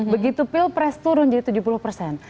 begitu pilpres turun jadi tujuh puluh persen